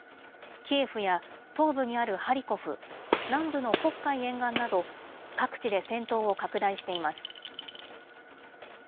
キエフや東部にあるハリコフ、南部の黒海沿岸など各地で戦闘を拡大しています。